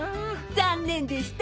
残念でした！